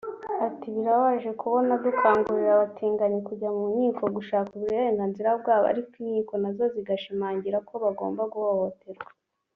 Ati “Birababaje kubona dukangurira abatinganyi kujya mu nkiko gushaka uburenganzira bwabo ariko inkiko nazo zigashimangira ko bagomba guhohoterwa